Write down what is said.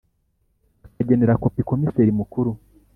Bukagenera kopi komiseri mukuru